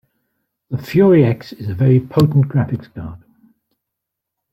The Fury X is a very potent graphics card.